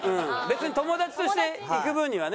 別に友達として行く分にはね。